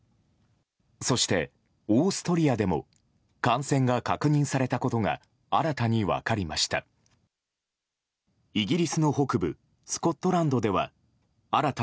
そして、オーストリアでも感染が確認されたことが新たに分かりました。